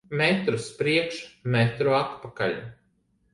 Metru uz priekšu, metru atpakaļ.